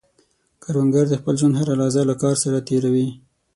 کروندګر د خپل ژوند هره لحظه له کار سره تېر وي